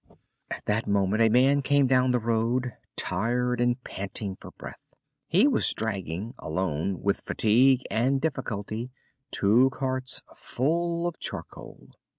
At that moment a man came down the road, tired and panting for breath. He was dragging, alone, with fatigue and difficulty, two carts full of charcoal.